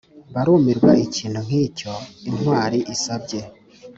barumirwa ikintu nkicyo intwari isabye.